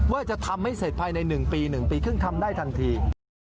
ว่าจะทำให้เสร็จภายใน๑ปี๑ปีครึ่งทำได้ทันที